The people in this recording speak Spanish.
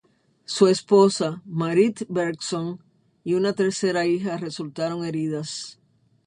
Se esposa, Marit Bergson, y una tercera hija, resultaron heridas.